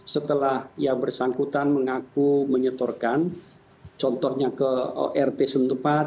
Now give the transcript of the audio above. setelah yang bersangkutan mengaku menyetorkan contohnya ke rt setempat